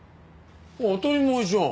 当たり前じゃん！